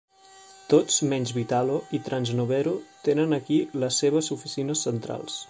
Tots menys Vitalo i Trans Novero tenen aquí les seves oficines centrals.